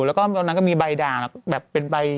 แล้วก็ตอนนั้นก็มีใบด่างแบบเป็นใบ